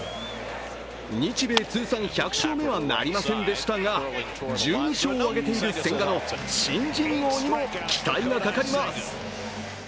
日米通算１００勝目はなりませんでしたが、１２勝を挙げている千賀の新人王にも期待がかかります。